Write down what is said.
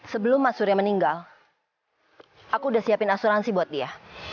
sebelum mas surya meninggal aku udah siapin asuransi buat dia